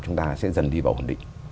chúng ta sẽ dần đi vào hoàn định